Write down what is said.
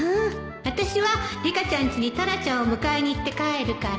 私はリカちゃんちにタラちゃんを迎えに行って帰るから